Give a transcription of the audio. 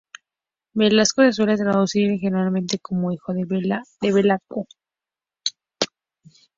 Velasco se suele traducir generalmente como "hijo de Vela", de "Bela-ko".